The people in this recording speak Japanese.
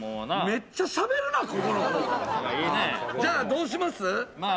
じゃあ、どうします？